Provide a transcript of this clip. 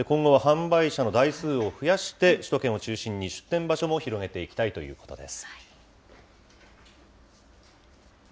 今後は販売車の台数を増やして、首都圏を中心に出店場所も広げていきたいということです。